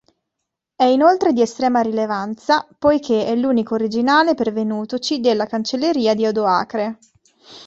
È inoltre di estrema rilevanza poiché è l'unico originale pervenutoci della cancelleria di Odoacre.